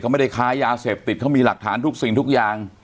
เขาไม่ได้ค้ายาเสพติดเขามีหลักฐานทุกสิ่งทุกอย่าง